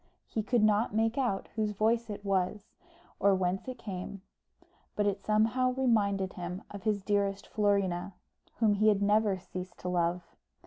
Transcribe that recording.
He could not make out whose voice it was, or whence it came, but it somehow reminded him of his dearest Florina, whom he had never ceased to love.